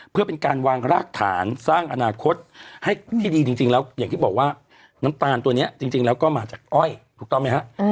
เพื่อเป็นการวางรากฐานสร้างอนาคตให้ที่ดีจริงแล้วอย่างที่บอกว่าน้ำตาลตัวนี้จริงแล้วก็มาจากอ้อยถูกต้องไหมฮะ